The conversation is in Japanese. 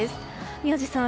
宮司さん